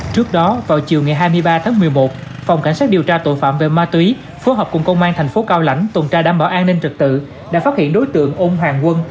trước đó vào chiều ngày hai mươi ba tháng một mươi một phòng cảnh sát điều tra tội phạm về ma túy phối hợp cùng công an thành phố cao lãnh tuần tra đảm bảo an ninh trật tự đã phát hiện đối tượng ôn hoàng quân